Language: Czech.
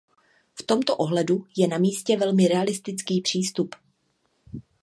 V tomto ohledu je namístě velmi realistický přístup.